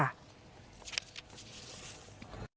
ตัวนี้หวานจะทำอย่างไรต่อไป